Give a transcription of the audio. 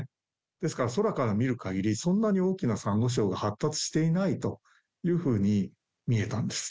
ですから、空から見るかぎり、そんなに大きなサンゴ礁が発達していないというふうに見えたんです。